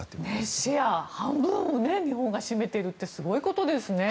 シェアの半分を日本が占めているってすごいことですね。